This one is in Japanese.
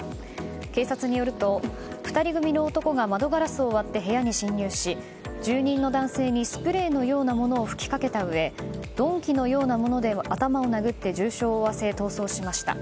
警察によると２人組の男が窓ガラスを割って部屋に侵入し、住人の男性にスプレーのようなものを吹きかけたうえ鈍器のようなもので頭を殴って重傷を負わせ逃走しました。